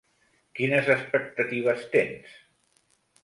Quines expectatives tens?